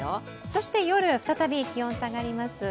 そして夜は再び、気温下がります。